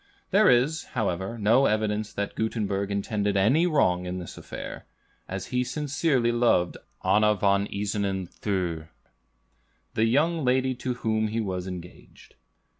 There is, however, no evidence that Gutenberg intended any wrong in this affair, as he sincerely loved Anna von Isernen Thür, the young lady to whom he was engaged.